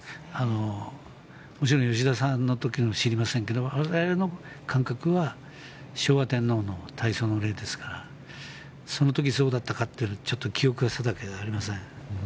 もちろん吉田さんの時も知りませんが我々の感覚は昭和天皇の大喪の礼ですからその時、そうだったかというのはちょっと記憶が定かではありません。